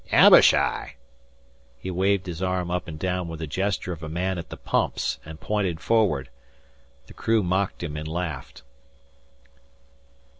Abi shai!" He waved his arm up and down with the gesture of a man at the pumps, and pointed forward. The crew mocked him and laughed.